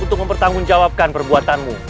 untuk mempertanggungjawabkan perbuatanmu